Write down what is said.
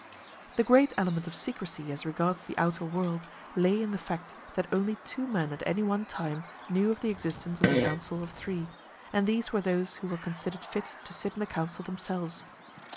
The great element of secrecy as regards the outer world lay in the fact that only two men at any one time knew of the existence of the council of three, and these were those who were considered fit to sit in the council themselves.